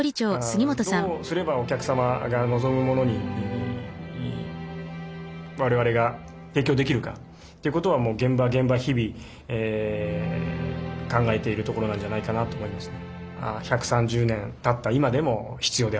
どうすればお客様が望むものに我々が提供できるかということは現場現場日々考えているところなんじゃないかなと思いますね。